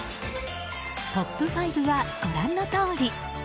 トップ５はご覧のとおり。